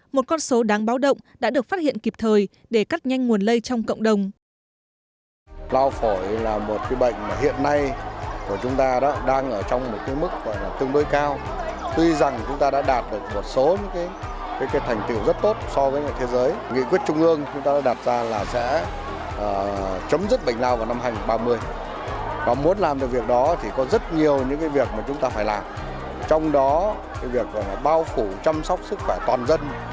một con số đáng báo động đã được phát hiện kịp thời để cắt nhanh nguồn lây trong cộng đồng